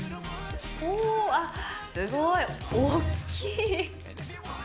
おー、あっ、すごい、大きい。